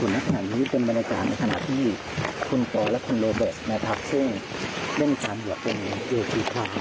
และคุณโลเบอร์นะครับซึ่งได้มีการหยุดตัวนี้เยอะกี่ทาง